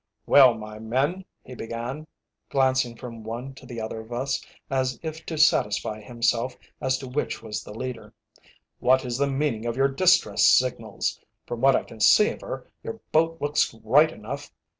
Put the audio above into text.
"Well, my men," he began, glancing from one to the other of us, as if to satisfy himself as to which was the leader, "what is the meaning of your distress signals? From what I can see of her, your boat looks right enough."